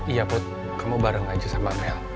iya put kamu bareng aja sama mel